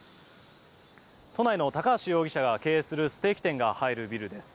都内の高橋容疑者が経営するステーキ店が入るビルです。